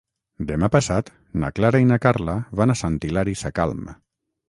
Demà passat na Clara i na Carla van a Sant Hilari Sacalm.